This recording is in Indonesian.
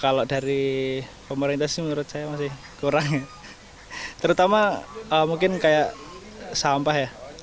kalau dari pemerintah sih menurut saya masih kurang terutama mungkin kayak sampah ya